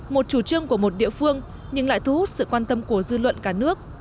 một chủ trương của một địa phương nhưng lại thu hút sự quan tâm của dư luận cả nước